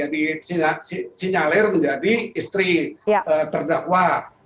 di sinyalir menjadi istri terdakwa